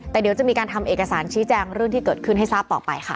แต่เดี๋ยวจะมีการทำเอกสารชี้แจงเรื่องที่เกิดขึ้นให้ทราบต่อไปค่ะ